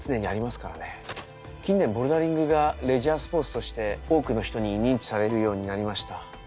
近年ボルダリングがレジャースポーツとして多くの人に認知されるようになりました。